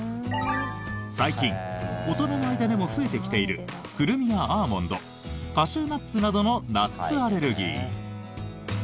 最近大人の間でも増えてきているクルミやアーモンドカシューナッツなどのナッツアレルギー。